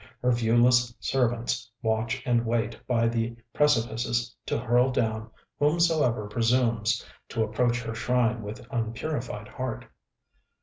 Her viewless servants watch and wait by the precipices to hurl down whomsoever presumes to approach her shrine with unpurified heart....